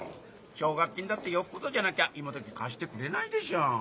奨学金だってよっぽどじゃなきゃ今どき貸してくれないでしょ。